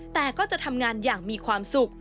แต่ก็จะทำงานอย่างมีความสุข